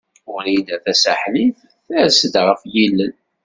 Wrida Tasaḥlit ters-d ɣef yilel.